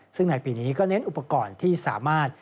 ซึ่งในปีนี้ก็เน้นอุปกรณ์ที่สามารถ